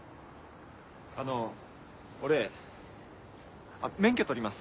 あの俺免許取ります。